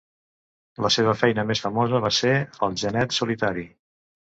La seva feina més famosa va ser a "El genet solitari".